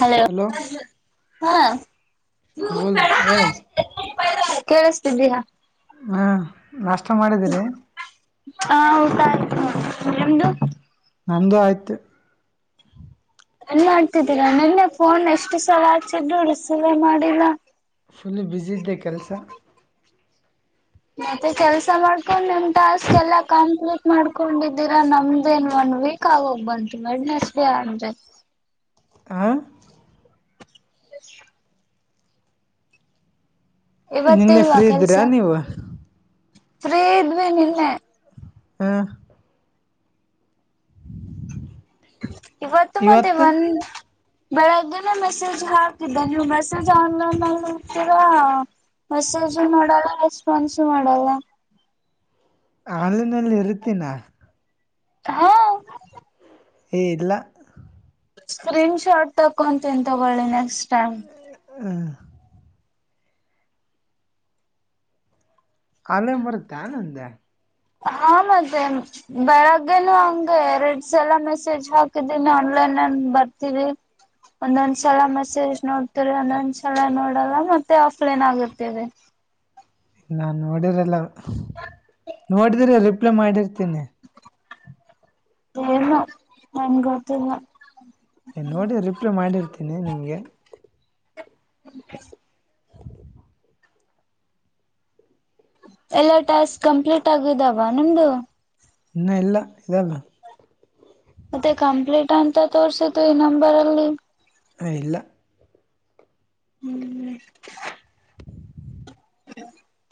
Hello ಹಾ ಬೋಲ್ ಹೇಳಿ [inaudible] ಕೇಳಿಸತಿದ್ದೀಯಾ ಹಾಂ ನಾಷ್ಟ ಮಾಡಿದ್ದೀರಿ ಹಮದು [inaudible] ನಮ್ಮದು ಆಯ್ತು ನ್ ಮಾಡ್ತಿದ್ದೀರಾ ನನ್ನೆ ಫೋನ್ ಎಷ್ಟು ಸವ ಹಚಿದರುೂ ಸವೆ ಮಾಡಿಲ್ಲ ಫುಲ್ ಬ್ಯುಸ ಇದ್ದೆ ಕೆಲ್ಸ ಮತ್ತೆ ಕೆಲ್ಸ ಮಾಡ್ಕೊಂಡ್ ನನ್ ಟಾಸ್ಕ್ ಎಲ್ಲ ಕಂಪ್ಲೀಟ್ ಮಾಡ್ಕೊಂಡಿದ್ದೀರಾ ನಮ್ದೇನ್ ಒನ್ ವೀಕ್ ಆಗೋಗ್ ಬಂತು ಮೇಡ ನೆಸ್ ಡೇ ಹಜ [inaudible] ಹಾಂ [inaudible] [inaudible] ಇವತ್ತ ನಿನ್ನೆ ಇಲ್ವಾ ಫ್ರೀ ಕೆಲ್ಸ ಇದ್ದೀರಾ ನೀವು ಫ್ರೀ ಇದ್ವಿ ನಿನ್ನೆ ಹ [inaudible] ಇವತ್ತು ಮತ್ತೆ ಒನ್ ಬೆಳಗ್ಗೆನೆ ಮೆಸೇಜ್ ಹಾಕಿದ್ದೆ ನೀವು ಮೆಸೇಜ್ ಆನ್ಲೈನ್ ಹೋಗಡ್ತೀರಾ ಮೆಸೇಜು ಮಾಡಲ್ಲ ರೆಸ್ಪಾನ್ಸು ಮಾಡಲ್ಲ ಆನ್ಲೈನ್ಲ್ಲಿ ಇರುತೀನಾ ಹಾ [inaudible] ಏ ಇಲ್ಲ ಸ್ಕ್ರೀನ್ ಶಾಟ್ ತಕೊಂತನ್ ತಗೊಳ್ಳಿ ನೆಕ್ಸ್ಟ್ ಟೈಮ್ ಹ ಅಲೇ ಮರತನೆ ಅಂದ ಹ ಮತ್ತೆ ಬೆಳಗ್ಗೆನು ಹಂಗಗೆ ಎರಡ್ ಸಲ ಮೆಸೇಜ್ ಹಾಕಿದ್ದೀನಿ ಆನ್ಲೈನ್ ನನ್ ಬರ್ತೀವಿ ಒಂದೊಂದ್ಸಲ ಮೆಸೇಜ್ ನೋಡ್ತರಿ ಒಂದೊಂದ್ಸಲ ನೋಡಲ್ಲ ಮತ್ತೆ ಆಫ್ಲೈನ್ ಆಗತರಿ ನಾನ್ ನೋಡಿರಲ್ಲ ನೋಡಿದ್ರ ರಿಪ್ಲೈ ಮಾಡಿರ್ತೀನಿ ಏನು ನನ್ ಗತ್ತಲ್ಲ ಏ ನೋಡಿ ರಿಪ್ಲೈ ಮಾಡಿರ್ತೀನಿ ನಿಮ್ಗೆ ಹ ಎಲ್ಲಾ ಟಾಸ್ಕ್ ಕಂಪ್ಲೀಟ್ ಆಗುದಾವ ನಮ್ದು ಇನ್ನ ಇಲ್ಲ ಇದಲ್ಲ ಮತ್ತೆ ಕಂಪ್ಲೀಟ್ ಅಂತ ತೋರ್ಸಿದ್ದು ಈ ನಂಬರ್ಲ್ಲಿ [inaudible] ಹ ಇಲ್ಲ [inaudible] ಹ್ಮ್ [inaudible]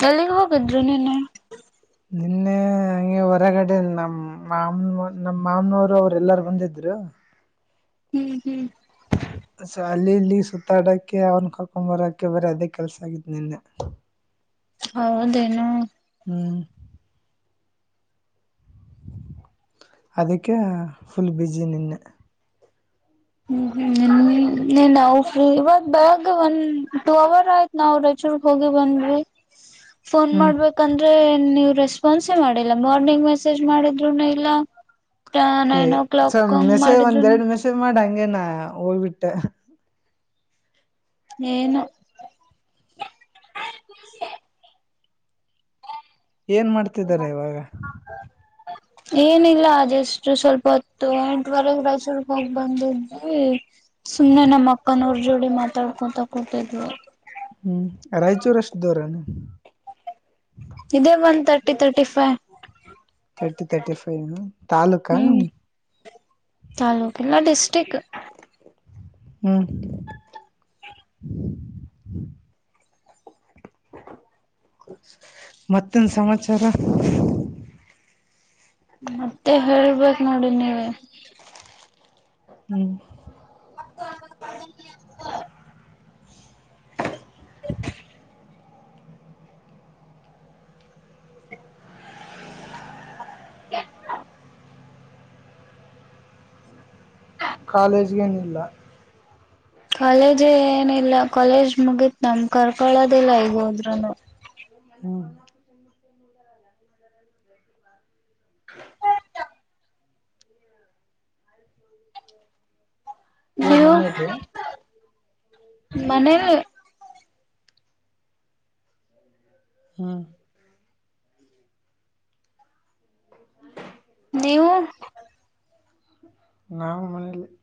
ಅಲ್ಲಿಗೆ ಹೋಗಿದ್ರು ನೀನು [inaudible] ನಿನ್ನೆ [inaudible] ನಂಗೆ ಹೊರಗಡೆ ನಮ್ಮ್ ಮಾಮನ ನಮ ಮಾಮನವರು ಅವ್ರ ಎಲ್ಲಾರು ಬಂದಿದ್ರು [inaudible] ಹ್ಮ್ ಹ್ಮ್ [inaudible] ಸೊ ಅಲ್ಲಿ ಇಲ್ಲಿ ಸುತ್ತಾಡಕ ಅವ್ನ್ ಕರ್ಕೊಂಡ್ ಬರಕ ಬರೀ ಅದೇ ಕೆಲ್ಸ ಆಗತ್ ನಿನ್ನೆ [inaudible] ಹೌದೇನು [inaudible] ಹ್ಮ್ [inaudible] ಅದಕ್ಕೆ ಫುಲ್ ಬಿಸಿಿ ನಿನ್ನೆ [inaudible] ಹ್ಮ್ ಹ್ಮ [inaudible] ಹ್ಮ ನೀ ನಾವು ಫ್ರೀ ಇವತ್ ಬೆಳಗ್ಗೆ ಒನ್ ಟೂ ಅವರ್ ಆಯ್ತ್ ನಾವು ರಾಯಚೂರ್ಗ್ ಹೋಗಿ ಬಂದಿ [inaudible] ಫೋನ್ ಹ್ಮ್ ಮಾಡ್ಬೇಕಂದ್ರೆ ನೀ [inaudible] ರೆಸ್ಪಾನ್ಸೇ ಮಾಡಿಲ್ಲ ಮಾರ್ನಿಂಗ್ ಮೆಸೇಜ್ ಮಾಡಿದ್ರುನು ಇಲ್ಲ [inaudible] ನೈನ್ ಓ ್ ಕ್ಲಾಕ್ ಸ ಹಂಗ್ ಮೆಸೆ್ ಒಂದ್ ಮಾಡಿದ್ರುನು ಎರಡು ಮೆಸೆ್ ಮಾಡ ಹಂಗಗೆನ ಹೋಗ್ಬಿಟ್ಟ [inaudible] ಏನು [inaudible] ಏನ್ ಮಾಡ್ತಿದಿದ್ದಾರೆ ಇವಾಗ [inaudible] ಏನಿಲ್ಲ ಅಷ್ಟು ಸ್ವಲ್ಪ ಹೊತ್ತು ಎಂಟುವರೆಗೆ ರೈಸೂರ್ಕ್ ಹೋಗ್ ಬಂದಿದ್ವಿ [inaudible] ಸುಮ್ನೆ ನಮ್ಮ ಅಕ್ಕನವ್ರ ಜೋಡಿ ಮಾತಾಡ್ಕೊತಾ ಕೂತಿದ್ರು [inaudible] ಹ್ಮ್ ರಾಯಚೂರ್ ಅಷ್ಟು ದೂರನ ಇದೇ one thirty thirty ಫೈ್ [inaudible] thirty thirty five ತಾಲೂಕ [inaudible] ತಾಲೂಕಲ್ಲ ಡಿಸ್ಟ್ರಿಕ್ [inaudible] ಹಾ [inaudible] ಮತ್ತೊಂದು ಸಮಾಚಾರ [inaudible] ಮತ್ತೆ ಹೇಳ್ಬೇಕೇು ನೋಡಿ ನೀವವೆ [inaudible] ಹ್ಮ್ [inaudible] [inaudible] [unintelligible] ಹ [inaudible] [unintelligible] ಕಾಲೇಜ್ಗೇನಿಲ್ಲ [inaudible] ಕಾಲೇಜೇ ಏನಿಲ್ಲ ಕಾಲೇಜ್ ಮುಗೀತ್ ನಮ ಕರ್ಕೊೊಳ್ಳೋದಿಲ್ಲ ಈಗೋದ್ರೂನು [inaudible] ಹ್ಮ [inaudible] ಇವ ನೀವು ಮನದೆ [inaudible] ಮನೆ [inaudible] ಹ್ಮ [inaudible] ನೀವು [inaudible] ನಾವು ಮನೆಯಲ್ಲಿ [inaudible]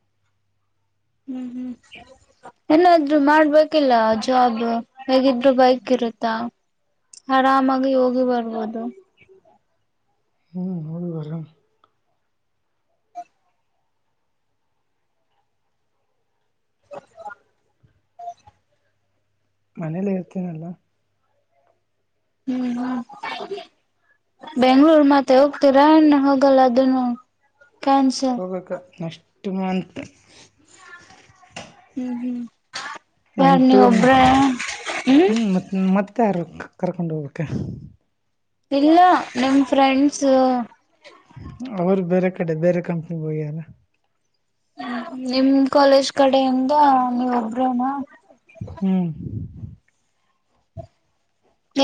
ಹ್ಮ್ ಹ್ಮ್ [inaudible] ಏನಾದ್ರು ಮಾಡ್ಬೇಕಿಲ್ಲ ಜಾಬ್ ಹೇಗಿದ್ರು ಬೈಕ್ಿರುತ್ತಾ [inaudible] ಆರಾಮಾಗಿ ಹೋಗಿ ಬರ್ಬೋದು [inaudible] ಹ್ಮ್ ಹ ಬ [inaudible] ಮನೇಲಿ ಇರ್ತೇನಲ್ಲ [inaudible] ಹ್ಮ್ ಹ್ಮ್ [inaudible] ಬೆಂಗ್ಳೂರ್ ಮತ್ತೆ ಹೋಗ್ತೀರಾ ಇ ಹೋಗಲ್ಲ ಅದನ್ನು [inaudible] ಹೋಗ್ಬೇಕ ನಷ್ಟ ಮಂತ ಹ್ಮ್ ಹ್ಮ್ [inaudible] ಯಾರ್ ಎಂಟು ನೀವ ಇನ್ನು ಒಬ್ರ ಹ್ಮ್ ಮ ಮತ್ತ [inaudible] ಾರ ಕರ್ಕೊಂಡು ಹೋಗ್ಕ್ಕೆ [inaudible] ಇಲ್ಲ ನಿಮ್ ಫ್ರೆಂಡ್ಸ [inaudible] ಅವರು ಬೇರೆ ಕಡೆ ಬೇರೆ ಕಂಪ್ನಿ ಹೋಗ್ಯಾರ [inaudible] ನಿಮ್ ಕಾಲೇಜ್ ಕಡೆಯಿಂದ ನೀವ ಒಬ್ರೇನಾ. ಹ್ಮ್.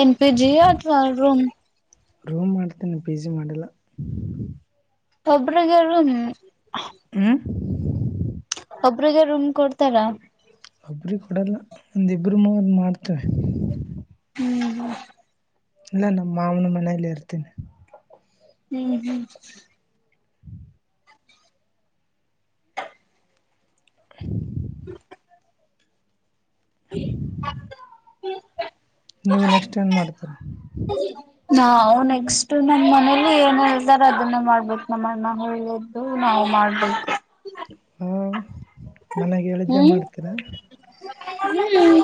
ಎನ್ ಪಿ ಜಿ ಅಥವಾಾರ ರೂಮ ರೂಮ್ ಮಾಡ್ತೇನೆ ಪಿ ಜಿ ಮಾಡಿಲ್ಲ ಒಬ್ರಗರು ಹ ಒಬ್ರಿಗೆ ರೂಮ್ ಕೊಡ್ತಾರಾ ಒಬ್ರಿ ಕೊಡಲ್ಲ ಒಂದಿಬ್ಬರು ಮ ಮಾಡ್ತೇವೆ ಹ್ಮ್ ಹ್ಮ ಇಲ್ಲ ನಮ್ಮ ಮಾವನ ಮನೇಲಿ ಇರ್ತೀನಿ ಹ್ಮ್ ಹ್ಮ್ ಹಮ್ ಹಮ್ ಹ ಮಾಡ್ತೀರ ನಾವು ನೆಕ್ಸ್ಟ್ ನ ಮನಲಿ ಇಲ್ಲಿ ಏನು ಹತಾರ ಅದನ್ನ ಮಾಡ್ಬೇಕು ನಮ್ಮ್ಣ ಹೇಳು ನಾವು ಮಾಡ್ಬೇಕು ಹಾ ಮನೆಗೆ ಹೇಳಳಿದ್ದೇ ಹ್ಮ್ ಮಾಡ್ತೀರ ಹಮ್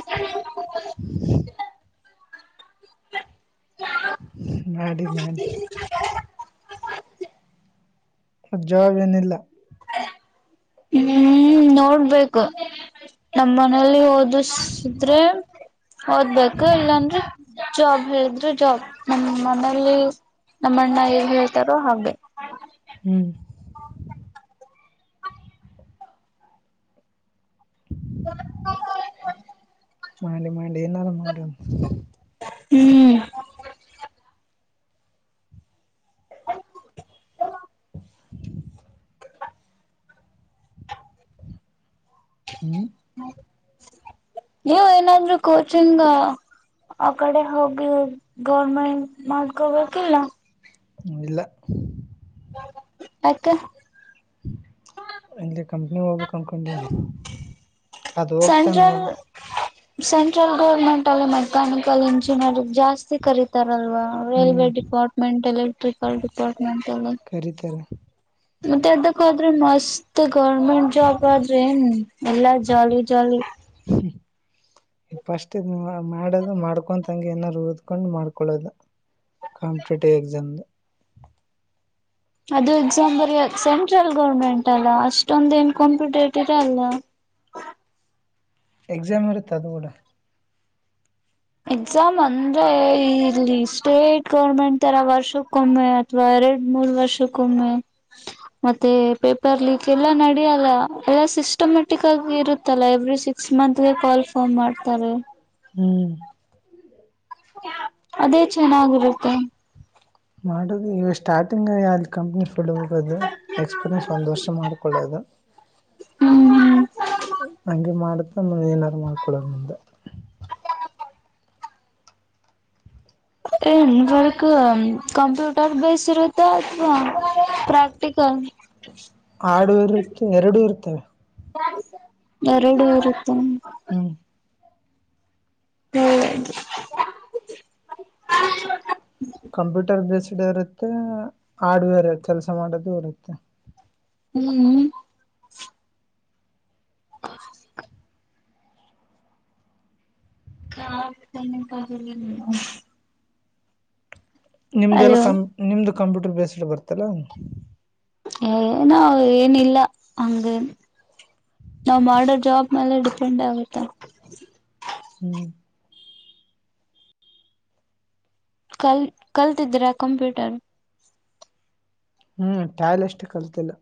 ಹ ಮಾಡಡಿ ಮಾಡಡಿ ಮ್ ಜವಾಬ ಏನಿಲ್ಲ ಹ್ಮ್ ನೋಡ್ಬೇಕು ನಮ್ಮ ಮನೇಲಿ ಹದ ದುಸಿದ್ರೆ ಓದ್ಬೇಕು ಇಲ್ಲಾನ್್ರಿ ಜಾಬ್ ಹೇಳಿದ್ರೆ ಜಾಬ್ ನಮ್ಮ ಮನಲಿ ನಮ್ಮಣ್ಣ ಹೇಳ್ತಾರೋ ಹಾಗೆ ಹ್ಮ್ ಹ ಮಾಡಂಡಿ ಮಾಡಂಡಿನಲ್ಲ ಮಾಡಡಿಂದ ಹ್ಮ್ ಹಮ್ ಹ್ಮ್ ನೀವ್ ಏನಾದ್ರರು ಕೋಚಿಂಗ್ ಆ ಕಡೆ ಹೋಗಿ ಗೌರ್ಮೆಂಟ್ ಮಾಡಕಬೇಕಿಲ್ಲ ಹ್ಮ ಇಲ್ಲ ಅೆ ಇಲ್ಲಿ ಕಂಪ್ನಿ ಒಬ ಕನ್ಕೊಂಡೀನಿ ಅದ ಹೋಗ್ತಾ ಸೆಂಟ್ರಲ್ ನೋಡು ಸೆಂಟ್ರಲ್ ಗೌರ್ಮೆಂಟ್ ಅಲ್ಲಿ ಮೆಕ್ಯಾನಿಕಲ್ ಇಂಜಿನಿಯರಿಂಗ್ ಜಾಸ್ತಿ ಕರೀತಾರೆ ಲ್ವಾ ಹ್ಮ್ ರೈಲ್ವೆ ಡಿಪಾರ್ಟ್ಮೆಂಟ್ ಎಲೆಕ್ಟ್ರಿಕಲ್ ಡಿಪಾರ್ಟ್ಮೆಂಟ್ ಎಲ್ಲಿ ಕರಿತಾರೆ ಮತ್ತೆ ಎರ್ದಕ್ಕ ಹದ್ರೆ ಮಸ್ತ್ ಗೌರ್ಮೆಂಟ್ ಜಾಬ್ ಆದ್ರೆ ಏನ್ ಎಲ್ಲಾ ಜಾಲಿ ಜಾಲಿ ಈ ಪಸ್ಟ್ ನೀ ಮಾಡದು ಮಾಡ್ಕೊಂಗಗೆ ಏನಾದಾರರು ಓದ್ಕೊಂಡ್ ಮಾಡ್ಕೊಳೋದು ಕಂಪಿಟಿಟಿವ ಎ ಜಮ್ದ ಅದು ಎಕ್ಸಾಂಬರ್ ಸೆಂಟ್ರಲ್ ಗೌರ್ಮೆಂಟ್ ಅಲ್ಲ ಅಷ್ಟೊಂದ ಏನ್ ಕಾಂಪಿಟೇಟ್ ಇರಲ್ಲ ಹ ಎಕ್ಸಾಮ್ ಇರುತ್ತೆ ಅದು ಕೂಡ ಎಕ್ಸಾಮ್ ಅಂದ್ರೆ ಇಲ್ಲಿ ಸ್ಟೇಟ್ ಗೌರ್ಮೆಂಟ್ ತರ ವರ್ಷಕ್ಕೊಮ್ಮೆ ಅಥವಾ ಮೂರ್ ವರ್ಷಕ್ಕೊಮ್ಮೆ ಮತ್ತೆ ಪೇಪರ್ ಲೀಕ್ ಎಲ್ಲ ನಡಲ್ಲ ಸಿಸ್ಟಮ್ಯಾಟಿಕ್ ಆಗಿ ಇರುತ್ತಲ್ಲ ಎವ್ರಿ ಸಿಕ್ಸ್ ಮಂತ್ಗೆ ಕಾಲ್ ಫಾರ್ಮ್ ಮಾಡ್ತಾರೆ ಹ್ಮ್ ಅದೇ ಚೆನ್ನಾಗಿರುತ್ತೆ ಮಾಡುದು ಈ ಸ್ಟಾರ್ಟಿಂಗ್ಯ ಅಲ್ಲಿ ಕಂಪ್ನಿ ಹೋಗದು ಎಕ್ಸ್ಪೀರಿಯನ್ಸ್ ಒಂದ್ ವರ್ಷ ಮಾಡಕೊಳ್ಳೋದು ಹ್ಮ್ ಹ್ಮ್ ಹಂಗೆ ಮಾಡುತ್ತ ಏನಾದಾರು ಮಾಡ್ಕೊಳೋದು ಮುಂದೆ ಏನ್ ಬರ್ಕ್ ಕಂಪ್ಯೂಟರ್ ಬೇಸ್ ಇರುತ್ತೆ ಅಥವಾ ಪ್ರಾಕ್ಟ ಹಾ ಆಡು ಇರುತ್ತೆ ಎರಡು ಇರ್ತವೆ ಎರಡು ಇರುತ್ತೆ ಹ್ಮ ಹ್ಮ್ ಕಂಪ್ಯೂಟರ್ ಬೇಸ್ಡ್ ಇರುತ್ತೆ ಹಾರ್ಡ್ವೇರ್ ಕೆಲಸ ಮಾಡೋದು ಇರುತ್ತೆ ಹ್ಮ್ ಹ ಹಾನ ನಿಮ್ದ ಎಲ್ಲ ಕಂ ನಿಮ್ದು ಕಂಪ್ಯೂಟರ್ ಬೇಸ್ಡ್ ಬರ್ತಲ್ಲ ಏ ನಾ ಏನಿಲ್ಲ ಹಂಗ ನಾವ್ ಮಾಡರ್ ಜಾಬ್ ಮೇಲೆ ಡಿಪೆಂಡ್ ಆಗುತ್ತೆ ಹ್ಮ್ ಕಲ್ ಕಲ್ತಿದ್ರಾ ಕಂಪ್ಯೂಟರ್ ಹ್ಮ್ ಟಾಯ್ಲ್ ಅಷ್ಟು ಕಲ್ತಿಲ್ಲ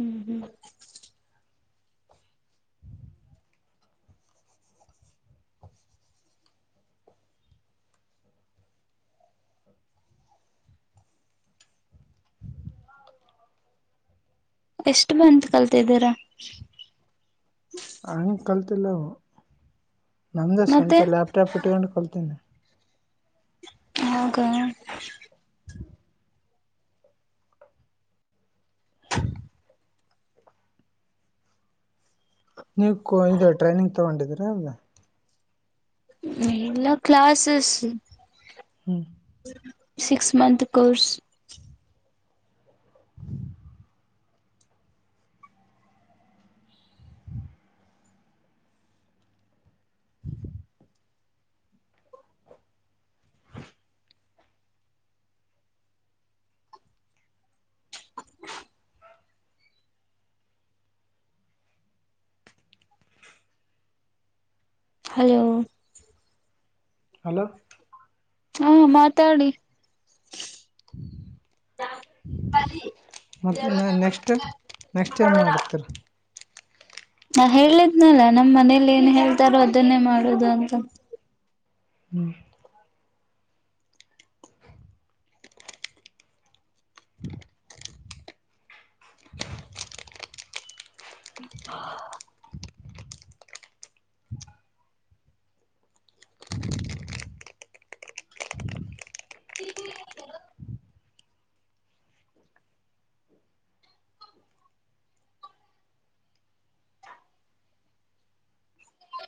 ಹ್ಮ್ ಹ್ಮ್ ಎಷ್ಟ ಬಂತ ಕಲ್ತಿದ್ದೀರ ಹಂಗ ಕಲ್ತಿಲ್ಲವು ನಮ ಮತ್ತೆ ಸ್ವಂತ ಲ್ಯಾಪ್ಟಾಪ್ ಇಟ್ಕೊಂಡು ಕಲ್ತೀನಿ ನಗ ನೀವು ಇ ಟ್ರೈನಿಂಗ್ ತಗೊಂಡಿದೀರಾ ಅಲ್ದ ಎಲ್ಲಾ ಕ್ಲಾಾಸಸ್ ಹ್ಮ್ six month course hello hello ಹಾ ಮಾತಾಡಿ ಹ ಮತ್ತ ನೆಸ್ಟ್ ನೆಕ್ಸ್ಟ್ ಏಮ್ ಮಾಡತರ ಹ ಹೇಳಿದ್ನಲ್ಲ ನಮ್ ಮನೇಲಿ ಏನ್ ಹೇಳ್ತಾರೋ ಅದನ್ನೇ ಮಾಡುದು ಅಂತ ಹ್ಮ್